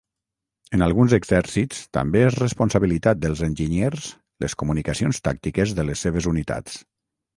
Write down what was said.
En alguns exèrcits també és responsabilitat dels enginyers les comunicacions tàctiques de les seves unitats.